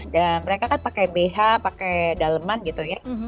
dan mereka kan pakai bh pakai daleman gitu ya